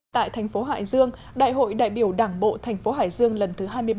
tại thành phố hải dương đại hội đại biểu đảng bộ thành phố hải dương lần thứ hai mươi ba